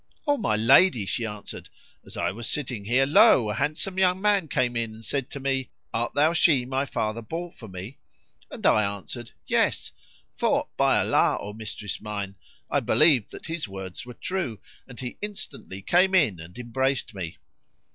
"O my lady," she answered, "as I was sitting here lo! a handsome young man came in and said to me:—Art thou she my father bought for me?; and I answered Yes; for, by Allah, O mistress mine, I believed that his words were true; and he instantly came in and embraced me."